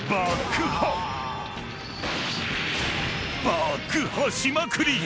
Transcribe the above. ［爆破しまくり］